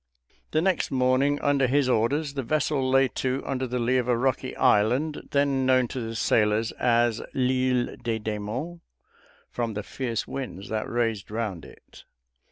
The next morning, under his orders, the vessel lay to under the lee of a rocky island, then known to the sailors as l'Isle des Demons from the fierce winds that raged round it.